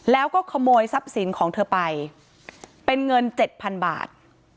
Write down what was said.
แล้วก็ขโมยทรัพย์สินของเธอไปเป็นเงินเจ็ดพันบาท